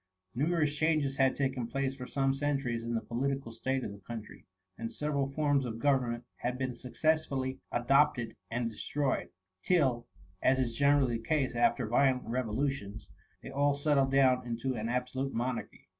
Numerous changes had taken place fcH: some centuries in the political state of the country, and several forms of go vernment had been successively adopted and destroyed, till, as is generally the case after violent revolutions, they all settled down into an absolute monarchy.